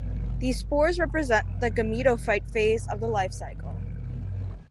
These spores represent the gametophyte phase of the life cycle.